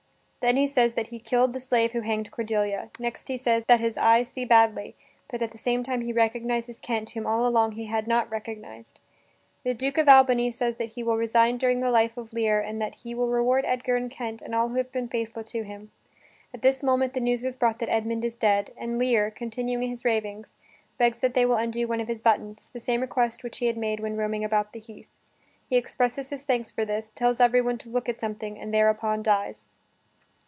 Then he says that he killed the slave who hanged Cordelia. Next he says that his eyes see badly, but at the same time he recognizes Kent whom all along he had not recognized. The Duke of Albany says that he will resign during the life of Lear and that he will reward Edgar and Kent and all who have been faithful to him. At this moment the news is brought that Edmund is dead, and Lear, continuing his ravings, begs that they will undo one of his buttons the same request which he had made when roaming about the heath. He expresses his thanks for this, tells everyone to look at something, and thereupon dies.